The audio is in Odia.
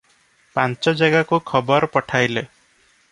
ପାଞ୍ଚ ଜାଗାକୁ ଖବର ପଠାଇଲେ ।